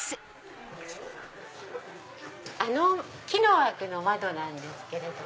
あの木の枠の窓なんですけど。